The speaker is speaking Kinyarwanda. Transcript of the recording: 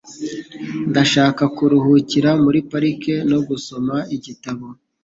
Ndashaka kuruhukira muri parike no gusoma igitabo.